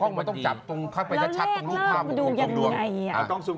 เหอะนี่อ่ะนี่ไงเขาจะบอกว่าไหนเป็นบัตรยี